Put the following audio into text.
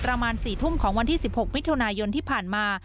ประมาณ๔ทุ่มของวันที่๑๖มิถุนายนที่ผ่านมา